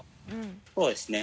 そうですね。